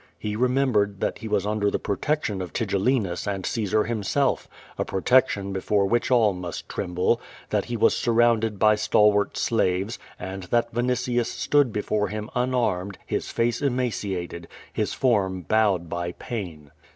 He remembered that lie was under the protection of Tigellinus and Caesar himself, a protection before which all must tremble; that he was surrounded by stalwart slaves, and that Yinitius stood before him unarmed, his face emaciated, his form bowed by pain.